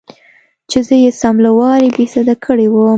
چې زه يې سم له وارې بېسده کړى وم.